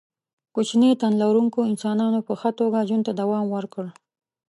کوچني تن لرونکو انسانانو په ښه توګه ژوند ته دوام ورکړ.